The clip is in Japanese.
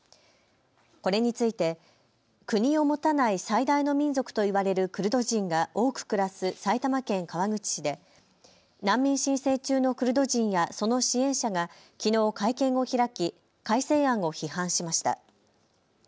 これについて国を持たない最大の民族と言われるクルド人が多く暮らす埼玉県川口市で難民申請中のクルド人やその支援者がきのう会見を開き改正案を批判しました。